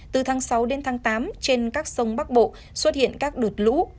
từ tháng sáu đến tháng tám trên các sông bắc bộ xuất hiện các đợt lũ